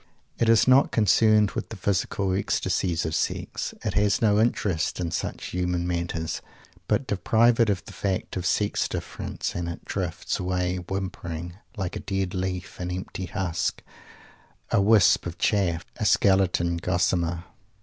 It is not concerned with the physical ecstasies of Sex. It has no interest in such human matters. But deprive it of the fact of Sex difference, and it drifts away whimpering like a dead leaf, an empty husk, a wisp of chaff, a skeleton gossamer.